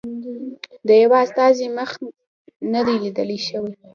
د یوه استازي مخ نه دی لیدل شوی.